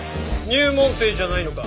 入門生じゃないのか？